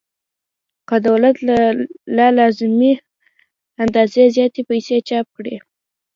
که دولت له لازمې اندازې زیاتې پیسې چاپ کړي